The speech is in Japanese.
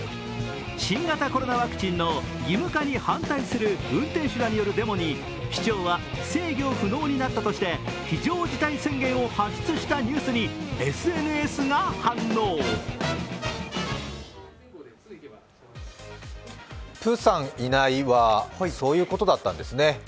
新型コロナワクチンの義務化に反対する運転手らによるデモに市長は、制御不能になったとして非常事態宣言を発出したニュースにプーさんいないはそういうことだったんですね。